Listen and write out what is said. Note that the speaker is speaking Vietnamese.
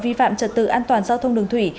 vi phạm trật tự an toàn giao thông đường thủy